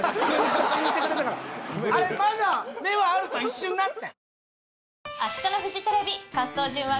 あれまだ目はあると一瞬なってん。